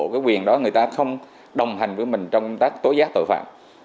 cái quyền đó người ta không đồng hành với mình trong công tác tối giác tội phạm